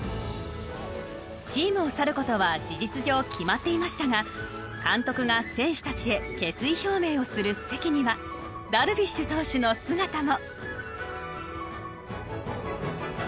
チームを去る事は事実上決まっていましたが監督が選手たちへ決意表明をする席にはダルビッシュ投手の姿も。